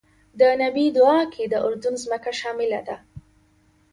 د نبی دعا کې د اردن ځمکه شامله ده.